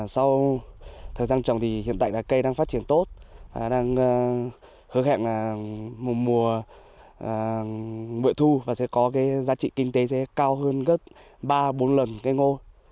sau thời gian trồng thì hiện tại cây đang phát triển tốt đang hứa hẹn một mùa nguyện thu và sẽ có giá trị kinh tế cao hơn gấp ba bốn lần cây ngô